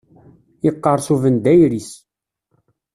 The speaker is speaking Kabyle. Yeqqerṣ ubendayer-is.